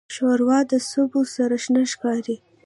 ښوروا د سبو سره شنه ښکاري.